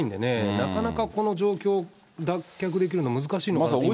なかなかこの状況、脱却できるのは難しいのかなと思いますけど。